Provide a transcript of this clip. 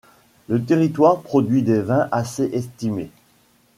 Le territoire produit des vins assez estimés.